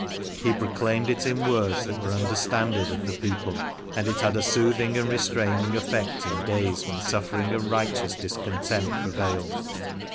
He proclaimed it in words that were understanded of the people, and it had a soothing and restraining effect in days when suflfering and righteous discontent prevailed.